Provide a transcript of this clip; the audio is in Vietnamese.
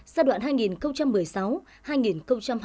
giai đoạn hai nghìn một mươi sáu hai nghìn một mươi bảy